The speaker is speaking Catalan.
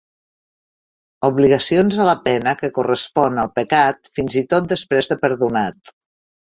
Obligacions a la pena que correspon al pecat fins i tot després de perdonat.